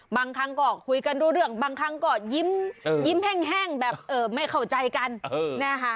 บางครั้งก็คุยกันรู้เรื่องบางครั้งก็ยิ้มแห้งแบบไม่เข้าใจกันนะคะ